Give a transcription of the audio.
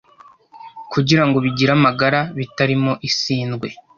kugira ngo bigire amagara, bitarimo isindwe